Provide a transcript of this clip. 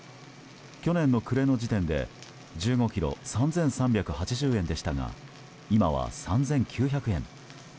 去年の暮れの時点で１５ｋｇ３３８０円でしたが今は３９００円。